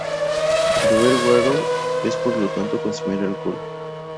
Beber guaro, es por lo tanto, consumir alcohol.